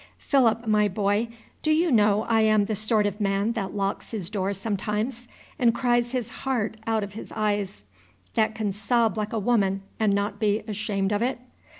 Philip, my boy, do you know I am the sort of man that locks his door sometimes and cries his heart out of his eyes, that can sob like a woman and not be ashamed of it?